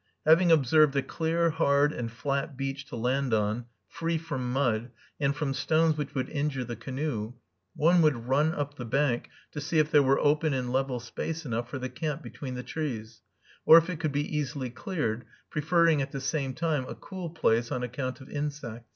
Having observed a clear, hard, and flat beach to land on, free from mud, and from stones which would injure the canoe, one would run up the bank to see if there were open and level space enough for the camp between the trees, or if it could be easily cleared, preferring at the same time a cool place, on account of insects.